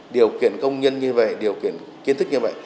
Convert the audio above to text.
điều kiện công nhân như vậy điều kiện kiến thức như vậy